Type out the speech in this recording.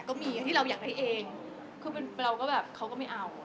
ก็มีที่เราอยากได้เองเขาก็ไม่เอา